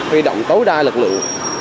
huy động tối đa lực lượng